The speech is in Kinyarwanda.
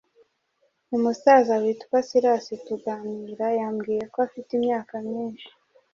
Umusaza witwa Silas tuganira yambwiyeko afite imyaka myinshi